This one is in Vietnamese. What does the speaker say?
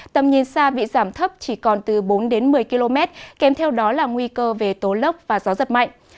tầm nhìn xa bị giảm thấp chỉ còn từ bốn đến một mươi km kèm theo đó là nguy cơ về tố lốc và gió giật mạnh